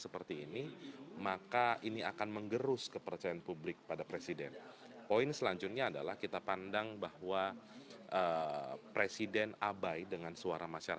bang masinton selamat malam